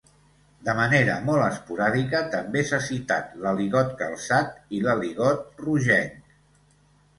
De manera molt esporàdica també s'ha citat l'aligot calçat i l'aligot rogenc.